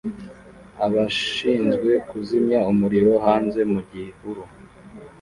Abashinzwe kuzimya umuriro hanze mu gihuru